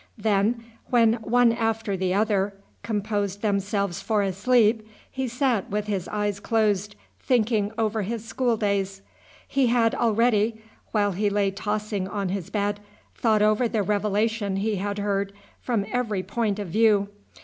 Then when one after the other composed themselves for a sleep, he sat with his eyes closed, thinking over his school days. He had already, while he lay tossing on his bed, thought over the revelation he had heard from every point of view.